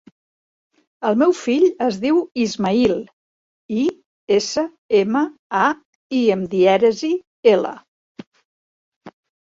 El meu fill es diu Ismaïl: i, essa, ema, a, i amb dièresi, ela.